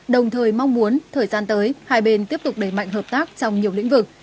đồng thời mong muốn thời gian tới hai bên tiếp tục đẩy mạnh hợp tác trong nhiều lĩnh vực